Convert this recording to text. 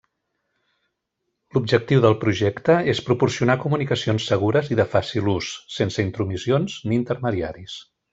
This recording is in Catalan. L'objectiu del projecte és proporcionar comunicacions segures i de fàcil ús, sense intromissions ni intermediaris.